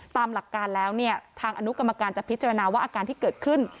ตามหลักการแล้วเนี่ยทางอนุกรรมการจะพิจารณาว่าอาการที่เกิดขึ้น